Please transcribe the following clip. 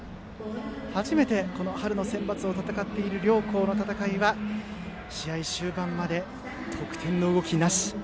初めて春のセンバツを戦っている両校の戦いは試合終盤まで得点の動きなし。